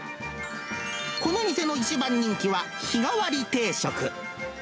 この店の一番人気は日替わり定食。